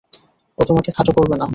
ও তোমাকে খাটো করবে না।